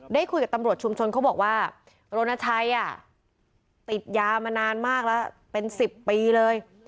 ได้คุยกับตำรวจชุมชนเขาบอกว่าโรนชัยติดยามานานมากแล้วเป็น๑๐ปีเลย